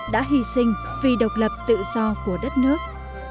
đã hy sinh vì độc lập tự do của đất nước